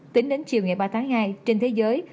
tính đến chiều ngày ba tháng hai trên thế giới